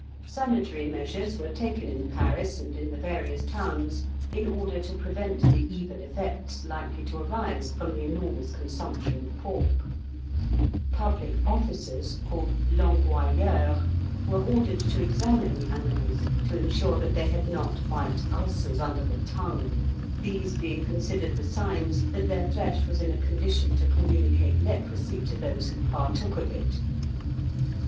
Sanitary measures were taken in Paris and in the various towns in order to prevent the evil effects likely to arise from the enormous consumption of pork; public officers, called languayeurs, were ordered to examine the animals to ensure that they had not white ulcers under the tongue, these being considered the signs that their flesh was in a condition to communicate leprosy to those who partook of it.